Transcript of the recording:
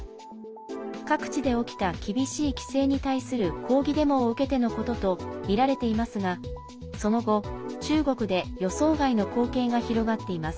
各地で起きた厳しい規制に対する抗議デモを受けてのこととみられていますがその後、中国で予想外の光景が広がっています。